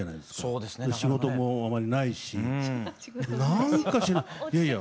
仕事もあまりないし何かしなきゃ。